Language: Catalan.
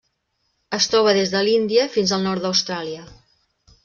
Es troba des de l'Índia fins al nord d'Austràlia.